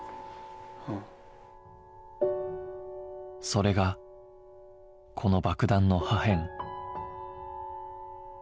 それがこの爆弾の破片